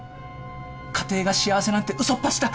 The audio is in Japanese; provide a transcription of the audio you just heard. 家庭が幸せなんてうそっぱちだ。